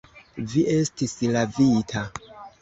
Vi estis lavita.